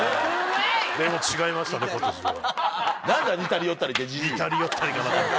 でも違いましたね今年は。